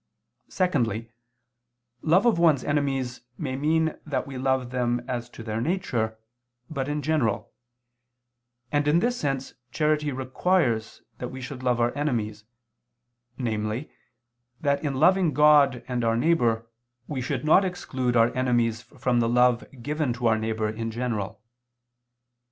Secondly love of one's enemies may mean that we love them as to their nature, but in general: and in this sense charity requires that we should love our enemies, namely, that in loving God and our neighbor, we should not exclude our enemies from the love given to our neighbor in general.